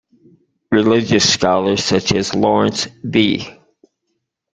Religious scholars such as Laurence B.